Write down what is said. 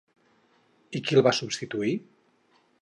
I qui el va substituir?